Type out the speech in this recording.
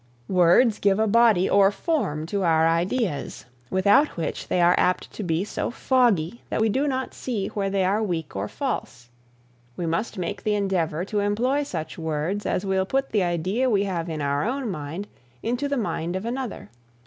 Words give a body or form to our ideas, without which they are apt to be so foggy that we do not see where they are weak or false. We must make the endeavor to employ such words as will put the idea we have in our own mind into the mind of another.